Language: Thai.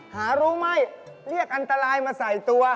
หารู้ไม่เรียกอันตรายมาใส่ตัว